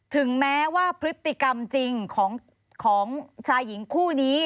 ถึงแม้ว่าพฤติกรรมจริงของชายหญิงคู่นี้